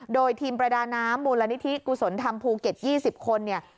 โดยทีมประดาน้ำมูลนิธิกุศลธรรมภูเก็ต๒๐คนเนี่ย